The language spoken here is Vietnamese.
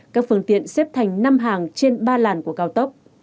các phương tiện xếp thành năm hàng trên ba làn của cao tốc